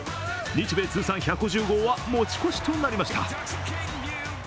日米通算１５０号は持ち越しとなりました。